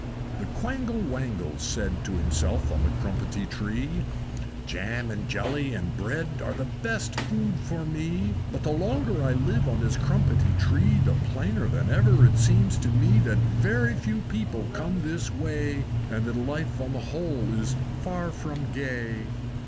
II. The Quangle Wangle said To himself on the Crumpetty Tree, "Jam, and jelly, and bread Are the best of food for me! But the longer I live on this Crumpetty Tree The plainer than ever it seems to me That very few people come this way And that life on the whole is far from gay!"